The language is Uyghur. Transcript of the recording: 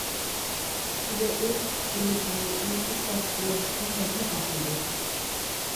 ئىچىگە ئۆسۈش تىپى بۇ ئىنفىلتراتسىيە تىپى دەپمۇ ئاتىلىدۇ.